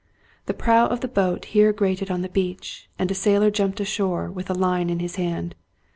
The prow of the boat here grated on the beach, and a sailor jumped ashore with a line in his hand.